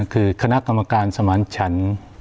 คือคณะกรรมการสมานฉัน